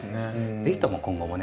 是非とも今後もね